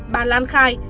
bà lan khai